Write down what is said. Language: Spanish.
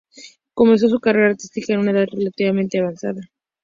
Comenzó su carrera artística a una edad relativamente avanzada.